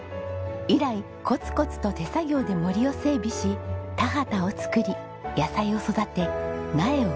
以来コツコツと手作業で森を整備し田畑を作り野菜を育て苗を植えました。